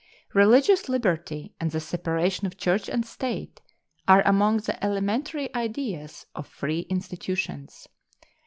Religious liberty and the separation of church and state are among the elementary ideas of free institutions.